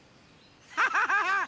アハハハ！